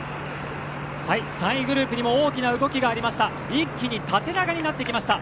３位グループにも大きな動きがあり一気に縦長になりました。